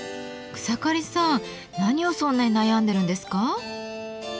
草刈さん何をそんなに悩んでるんですか？